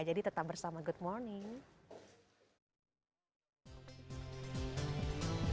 jadi tetap bersama good morning